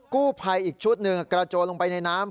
กู้ภัยอีกชุดหนึ่งกระโจนลงไปในน้ำ